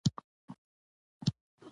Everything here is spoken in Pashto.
په یوه کور کې ماشومان د کور ښکلا ده.